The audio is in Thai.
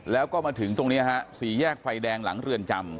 แล้วก็มาถึงตรงนี้ฮะสี่แยกไฟแดงหลังเรือนจำ